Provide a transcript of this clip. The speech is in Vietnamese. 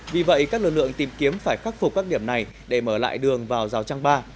vì vậy các lực lượng tìm kiếm phải khắc phục các điểm này để mở lại đường vào rào trang ba